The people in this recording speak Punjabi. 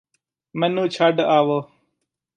ਮੈਨੂੰ ਛੱਡ ਅਵੋ